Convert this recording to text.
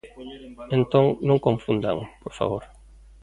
Entón, non confundan, por favor.